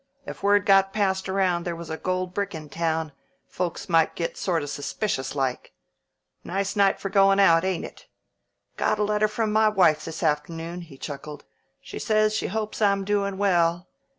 If word got passed around there was a gold brick in town, folks might sort of get suspicious like. Nice night for goin' out, ain't it? Got a letter from my wife this aft'noon," he chuckled. "She says she hopes I'm doin' well.